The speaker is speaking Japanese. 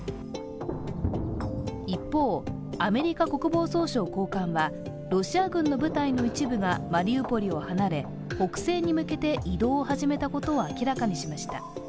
一方、アメリカ国防総省高官はロシア軍の部隊の一部がマリウポリを離れ、北西に向けて移動を始めたことを明らかにしました。